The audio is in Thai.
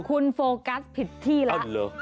คุณโฟกัสผิดที่แล้ว